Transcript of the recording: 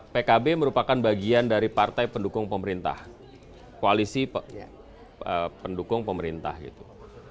pkb merupakan bagian dari partai pendukung pemerintah koalisi pendukung pemerintah gitu